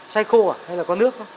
xoay khô à hay là có nước không